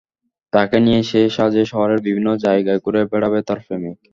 তাকে নিয়ে সেই সাজেই শহরের বিভিন্ন জায়গায় ঘুরে বেড়াবে তার প্রেমিক।